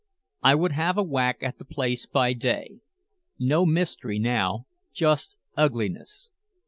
I would have a whack at the place by day. No mystery now, just ugliness.